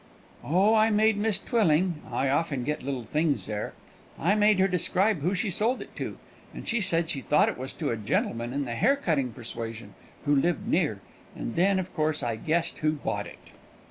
"Oh, I made Miss Twilling (I often get little things there), I made her describe who she sold it to, and she said she thought it was to a gentleman in the hair cutting persuasion who lived near; and then, of course, I guessed who bought it."